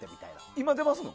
今、出ますの？